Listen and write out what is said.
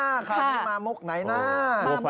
ต้องช่วยมามุกไหนน่ะ